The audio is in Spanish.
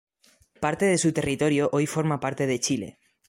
Parte de su territorio hoy forma parte de Chile.